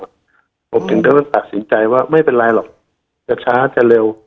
ผมก็หากที่ได้ตัดสินใจว่าไม่เป็นไรหรอกจะช้าจะเร็ว